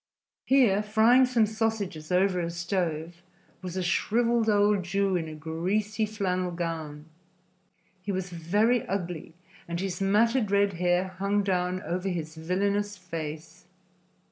Here, frying some sausages over a stove, was a shriveled old Jew in a greasy flannel gown. He was very ugly and his matted red hair hung down over his villainous face.